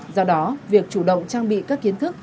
do đó việc chủ động trang bị các kiến thức